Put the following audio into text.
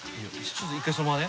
ちょっと一回そのままね。